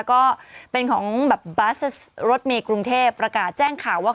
ก็เป็นของบัสเซอร์รถเมียกรุงเทพประกาศแจ้งข่าวว่า